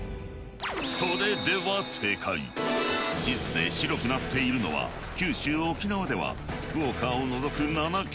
それでは地図で白くなっているのは九州沖縄では福岡を除く７県